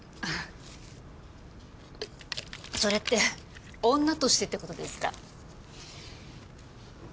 それって女としてってことですか？